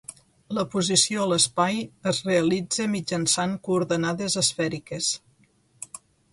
La posició a l'espai es realitza mitjançant coordenades esfèriques.